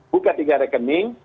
buka tiga rekening